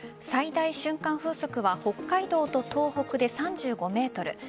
最大瞬間風速は北海道と東北で３５メートル。